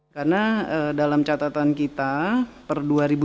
karena dalam catatan kita per dua ribu dua puluh dua